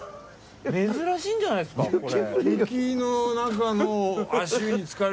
珍しいんじゃないっすかこれ。